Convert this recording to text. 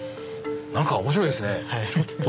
何か面白いですね。